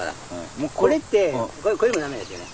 もうこれってこういうのダメですよね。